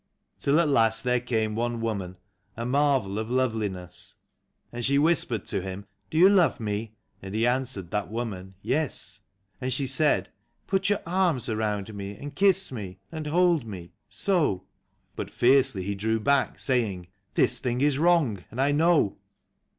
Till at last there came One Woman, a marvel of love liness, And she whispered to him :" Do you love me ?" And he answered that woman, " Yes." And she said :" Put your arms around me, and kiss me, and hold me — so —" But fiercely he drew back, saying :" This thing is wrong, and I know."